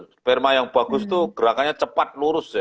sperma yang bagus itu gerakannya cepat lurus ya